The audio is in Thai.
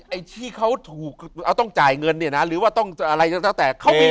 ไอ้ที่เขาถูกต้องจ่ายเงินเนี่ยนะหรือว่าต้องอะไรตั้งแต่